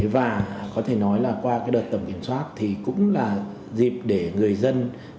và có thể nói là qua đợt tổng kiểm soát thì cũng là dịp để người dân